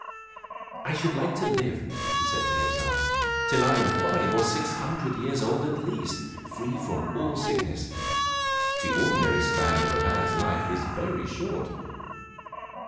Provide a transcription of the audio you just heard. "I should like to live," he said to himself, "till I am five or six hundred years old at least, free from all sickness. The ordinary span of a man's life is very short."